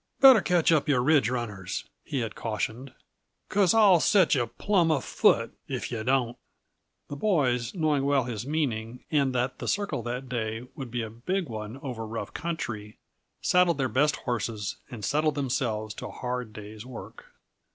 "Better catch up your ridge runners," he had cautioned, "because I'll set yuh plumb afoot if yuh don't." The boys, knowing well his meaning and that the circle that day would be a big one over rough country, saddled their best horses and settled themselves to a hard day's work.